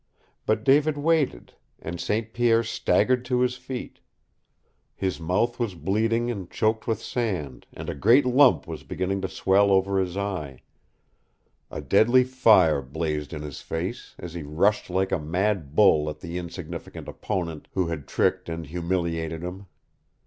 But David waited, and St. Pierre staggered to his feet. His mouth was bleeding and choked with sand, and a great lump was beginning to swell over his eye. A deadly fire blazed in his face, as he rushed like a mad bull at the insignificant opponent who had tricked and humiliated him.